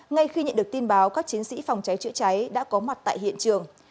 ngay khi nhận được tin báo các chiến sĩ phòng cháy chữa cháy đã có mặt tại hiện trường